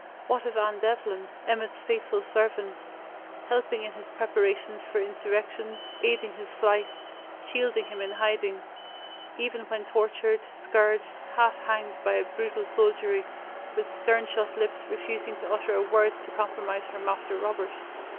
What of Anne Devlin, Emmet's faithful servant, helping in his preparations for insurrection, aiding his flight, shielding him in hiding, even when tortured, scourged, half hanged by a brutal soldiery, with stern shut lips refusing to utter a word to compromise her "Master Robert"?